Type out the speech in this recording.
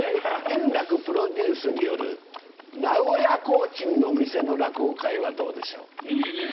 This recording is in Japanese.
円楽プロデュースによる名古屋コーチンの店の落語会はどうでしょいいね。